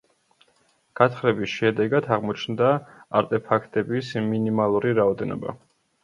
გათხრების შედეგად აღმოჩნდა არტეფაქტების მინიმალური რაოდენობა.